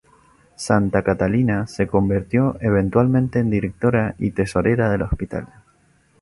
Santa Catalina se convirtió eventualmente en directora y tesorera del hospital.